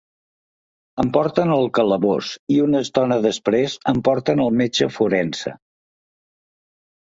Em porten al calabós i una estona després em porten al metge forense.